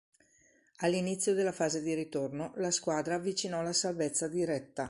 All'inizio della fase di ritorno, la squadra avvicinò la salvezza diretta.